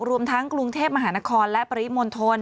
รวมทั้งกรุงเทพมหานครและปริมณฑล